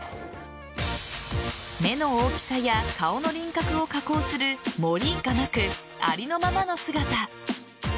目の大きさや顔の輪郭を加工する盛りがなくありのままの姿。